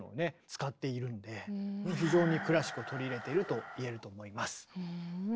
使っているんで非常にクラシックを取り入れてると言えると思います。